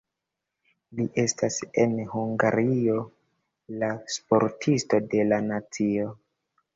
Li estas en Hungario la Sportisto de la nacio.